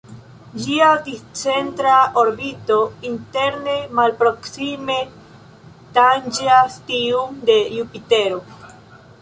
Ĝia discentra orbito interne malproksime tanĝas tiun de Jupitero.